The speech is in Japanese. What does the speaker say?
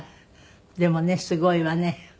でもねすごいわね。